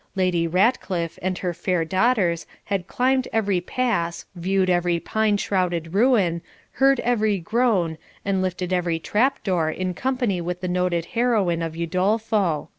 Lady Ratcliff and her fair daughters had climbed every pass, viewed every pine shrouded ruin, heard every groan, and lifted every trap door in company with the noted heroine of Udolpho.